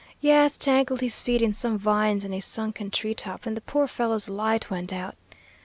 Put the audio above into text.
Yes, tangled his feet in some vines in a sunken treetop, and the poor fellow's light went out.